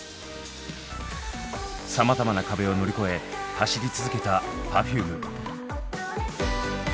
さまざまな壁を乗り越え走り続けたＰｅｒｆｕｍｅ。